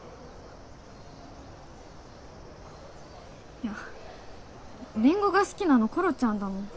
いやりんごが好きなのころちゃんだもん